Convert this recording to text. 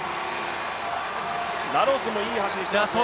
ラロスもいい走りしていますね。